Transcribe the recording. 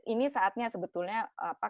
ini saatnya sebetulnya